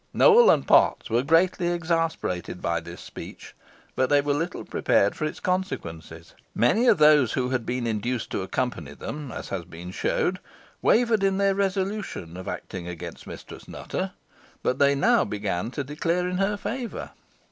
Nowell and Potts were greatly exasperated by this speech, but they were little prepared for its consequences. Many of those who had been induced to accompany them, as has been shown, wavered in their resolution of acting against Mistress Nutter, but they now began to declare in her favour.